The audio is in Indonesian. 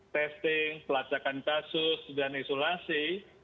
testing pelacakan kasus dan isolasi